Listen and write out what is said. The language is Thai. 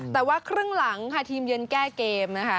แต่ว่าครึ่งหลังค่ะทีมเยือนแก้เกมนะคะ